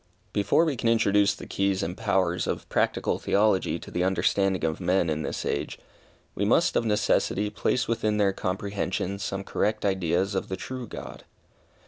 Before we can introduce the keys and powers of practical Theology to the understanding of men in this age, we must, of necessity, place within their comprehension some correct ideas of the true God.